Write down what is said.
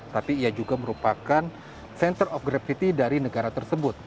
tapi ia juga merupakan center of gravity dari negara tersebut